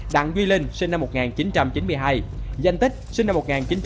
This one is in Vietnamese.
đặng duy linh sinh năm một nghìn chín trăm chín mươi hai danh tích sinh năm một nghìn chín trăm chín mươi